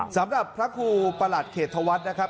สำหรับพระครูประหลัดเขตธวัฒน์นะครับ